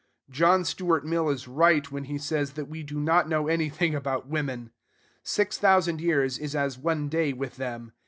John Stuart Mill is right when he says that we do not know anything about women. Six thousand years is as one day with them.